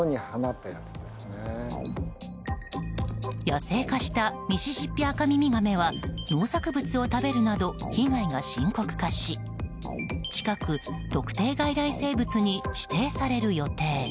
野生化したミシシッピアカミミガメは農作物を食べるなど被害が深刻化し近く、特定外来生物に指定される予定。